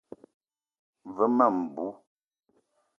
Ve ma mbou.